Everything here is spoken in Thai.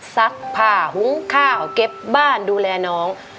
ซักผ้าหุงข้าวเก็บบ้านดูแลน้อง